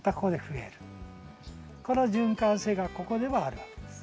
この循環性がここではあるわけです。